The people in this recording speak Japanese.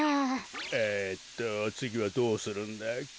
えっとつぎはどうするんだっけ？